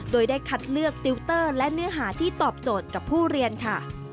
โดยได้คัดเลือกติวเตอร์และเนื้อหาที่ตอบโจทย์กับผู้เรียนค่ะ